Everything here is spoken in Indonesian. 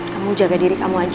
kamu jaga diri kamu aja